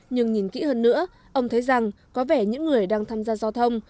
nhưng nhìn kỹ hơn nữa ông thấy rằng có vẻ những người đang tham gia giao thông